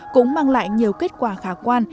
cũng mang lại nhiều kết quả khả quan